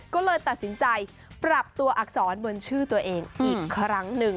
ก็เลยตัดสินใจปรับตัวอักษรบนชื่อตัวเองอีกครั้งหนึ่ง